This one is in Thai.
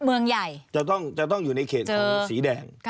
เมืองใหญ่จะต้องอยู่ในเขตของสีแดง